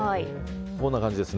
こんな感じです。